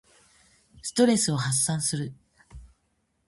ストレスを発散する。